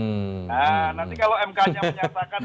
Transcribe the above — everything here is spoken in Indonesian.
nah nanti kalau mknya menyatakan